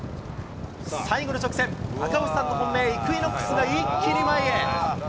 最後の直線、赤星さんの本命、イクイノックスが、一気に前へ。